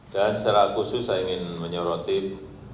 dan secara khusus saya ingin menyorotin